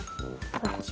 こっち